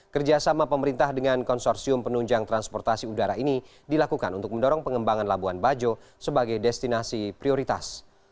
kerjasama pemerintah dengan konsorsium penunjang transportasi udara ini dilakukan untuk mendorong pengembangan labuan bajo sebagai destinasi prioritas